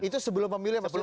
itu sebelum pemilu ya mas tovay